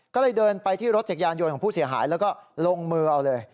ก็เลยเดินไปที่รถจักรยานยนต์ของผู้เสียหายแล้วก็ลงมือเอาเลย